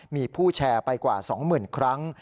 มีผู้แชร์ไปกว่าสองหมื่นครั้ง